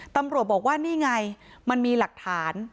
ตำรวจบอกว่านี่ไงมันมีหลักฐาน